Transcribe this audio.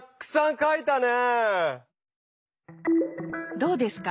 どうですか？